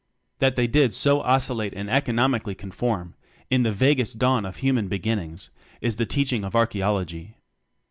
That they did so oscillate and economically conform, in the vaguest dawn of human be ginnings, is the teaching of archae ology.